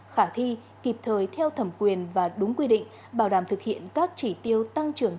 khả thi kịp thời theo thẩm quyền và đúng quy định bảo đảm thực hiện các chỉ tiêu tăng trưởng